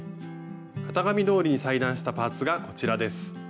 型紙どおりに裁断したパーツがこちらです。